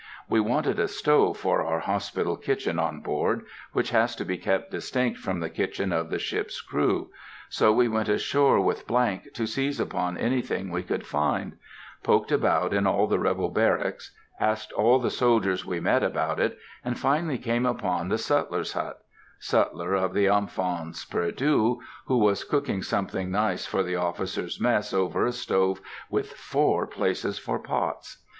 We wanted a stove for our hospital kitchen on board, which has to be kept distinct from the kitchen of the ship's crew; so we went ashore with —— to seize upon anything we could find; poked about in all the rebel barracks, asked all the soldiers we met about it, and finally came upon the sutler's hut,—sutler of the Enfans Perdus, who was cooking something nice for the officers' mess over a stove with four places for pots!